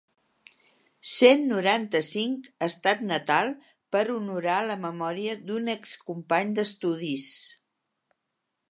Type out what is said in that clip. Cent noranta-cinc estat natal per honorar la memòria d'un excompany d'estudis.